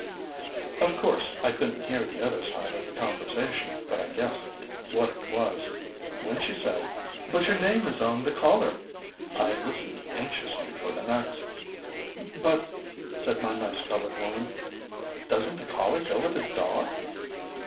Of course I couldn't hear the other side of the conversation, but I guessed what it was. When she said, "But your name is on the collar," I listened anxiously for the next. "But," said my nice coloured woman, "doesn't the collar go with the dog?"